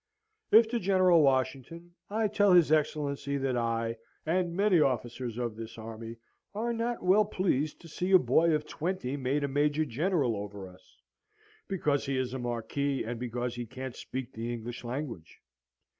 "'If to General Washington, I tell his Excellency that I, and many officers of this army, are not well pleased to see a boy of twenty made a major general over us, because he is a Marquis, and because he can't speak the English language.